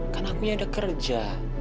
kan akunya udah kerja